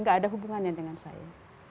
gak ada hubungannya dengan saya